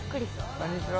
こんにちは。